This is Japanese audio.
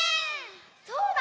そうだ！